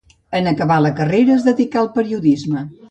En acabar la carrera, es dedica al periodisme.